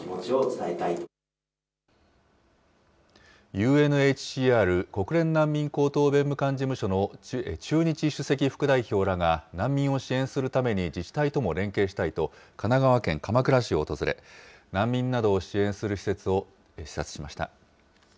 ＵＮＨＣＲ・国連難民高等弁務官事務所の駐日首席副代表らが難民を支援するために自治体とも連携したいと、神奈川県鎌倉市を訪れ、難民などを支援する施設を視察しました。